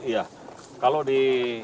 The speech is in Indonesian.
iya kalau di